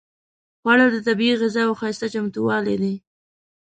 خوړل د طبیعي غذاوو ښايسته چمتووالی دی